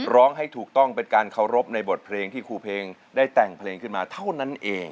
ร้องให้ถูกต้องเป็นการเคารพในบทเพลงที่ครูเพลงได้แต่งเพลงขึ้นมาเท่านั้นเอง